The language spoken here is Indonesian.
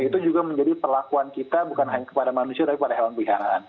itu juga menjadi perlakuan kita bukan hanya kepada manusia tapi pada hewan peliharaan